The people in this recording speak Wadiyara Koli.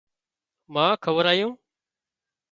مانه کارايون